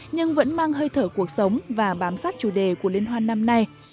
nhưng vẫn mang hơi thở cuộc sống và bám sát chủ đề của liên hoan năm nay